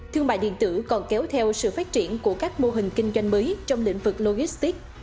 thương mại điện tử còn kéo theo sự phát triển của các mô hình kinh doanh mới trong lĩnh vực logistics